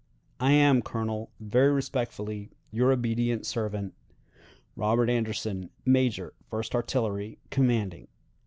"I am, Colonel, very respectfully, "Your obedient servant, "Robert Anderson, "Major 1st Artillery, commanding."